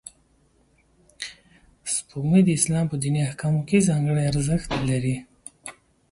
سپوږمۍ د اسلام په دیني احکامو کې ځانګړی ارزښت لري